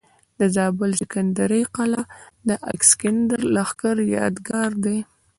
د زابل د سکندرۍ قلا د الکسندر د لښکر یادګار دی